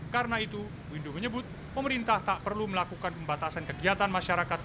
karena itu windu menyebut pemerintah tak perlu melakukan pembatasan kegiatan masyarakat